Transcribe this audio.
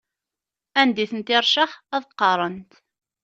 Anda i tent-iṛcex, ad qqaṛent.